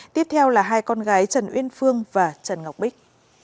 tiếp theo là hai con gái trần uyên phương và trần ngọc bích